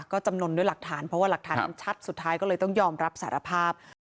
ก็จำนวนด้วยหลักฐานเพราะว่าหลักฐานมันชัดสุดท้ายก็เลยต้องยอมรับสารภาพ